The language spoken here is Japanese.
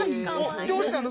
どうしたの？